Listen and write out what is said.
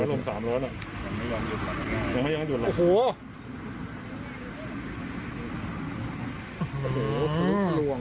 ๒๓เหรอค่ะไม่ยอมหยุดเลยโอ้โห